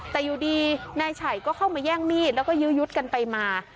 แต่อยู่ดีนายฉัยก็เข้ามาแย่งมีดแล้วก็ยื้อยุดกันไปมา